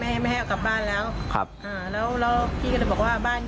เขาก็บอกว่าแฟนเขามาปล่อยที่นี่แฟนเขาบอกว่าไม่ให้กลับบ้านแล้ว